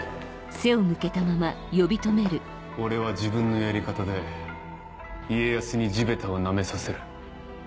俺は自分のやり方で家康に地べたをなめさせる。